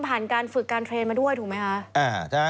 ผ่านการฝึกการเทรนด์มาด้วยถูกไหมคะ